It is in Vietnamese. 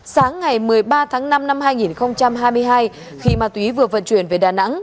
sáng ngày một mươi ba tháng năm năm hai nghìn hai mươi hai khi ma túy vừa vận chuyển về đà nẵng